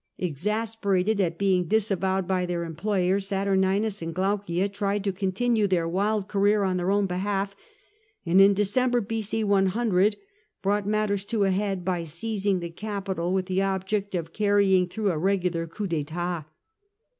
Exasperated at being disavowed by their employer, Saturninus and Glaucia tried to continue their wild career on their own behalf, and in December B.o. lOO brought matters to a head by seizing the Capitol with the object of carrying through a regular coup doited.